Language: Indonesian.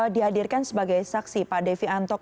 dihadirkan sebagai saksi pak devi antok